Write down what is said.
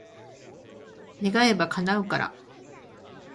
願えば、叶うから。